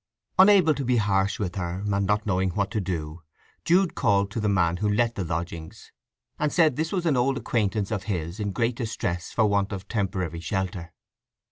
Unable to be harsh with her, and not knowing what to do, Jude called the man who let the lodgings, and said this was an acquaintance of his in great distress for want of temporary shelter.